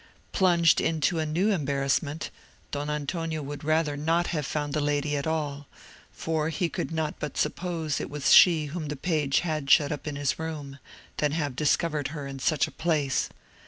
Plunged into a new embarrassment, Don Antonio would rather not have found the lady at all—for he could not but suppose it was she whom the page had shut up in his room—than have discovered her in such a place.